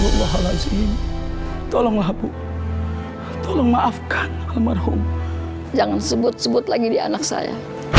ya tolonglah bu tolong maafkan almarhum jangan sebut sebut lagi di anak saya